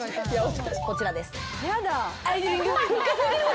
こちらです。